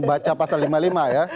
baca pasal lima puluh lima ya